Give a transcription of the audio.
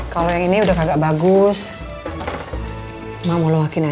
kalo yang ini udah kagak bagus mah mau lu wakin aja